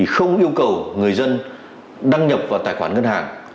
không yêu cầu người dân đăng nhập vào tài khoản ngân hàng